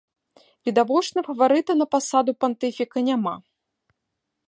Відавочнага фаварыта на пасаду пантыфіка няма.